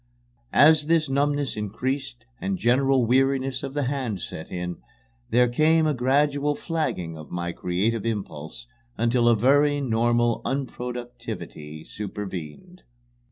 As this numbness increased and general weariness of the hand set in, there came a gradual flagging of my creative impulse until a very normal unproductivity supervened.